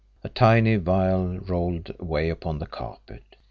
A tiny vial rolled away upon the carpet.